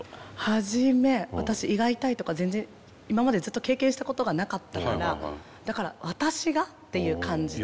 初め私胃が痛いとか全然今までずっと経験したことがなかったからだから私が？っていう感じと。